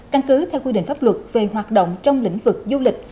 căn cứ theo quy định pháp luật về hoạt động trong lĩnh vực du lịch